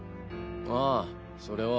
ああそれは。